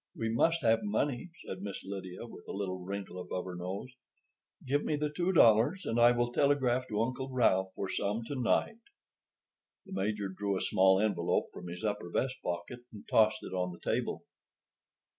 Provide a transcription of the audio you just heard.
"We must have money," said Miss Lydia, with a little wrinkle above her nose. "Give me the two dollars, and I will telegraph to Uncle Ralph for some to night." The Major drew a small envelope from his upper vest pocket and tossed it on the table.